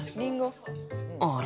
あれ？